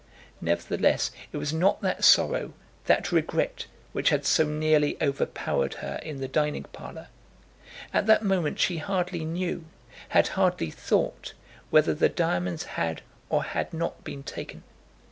Nevertheless it was not that sorrow, that regret, which had so nearly overpowered her in the dining parlour. At that moment she hardly knew, had hardly thought, whether the diamonds had or had not been taken.